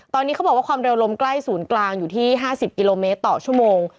ตอนนี้เขาบอกว่าความเร็วลมใกล้ศูนย์กลางอยู่ที่๕๐กิโลเมตรต่อชั่วโมง